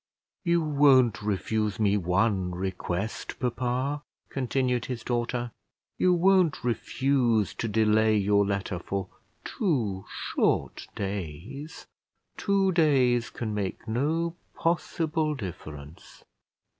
"You won't refuse me one request, papa?" continued his daughter; "you won't refuse to delay your letter for two short days? Two days can make no possible difference."